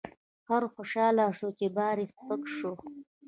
خر خوشحاله شو چې بار یې سپک شو.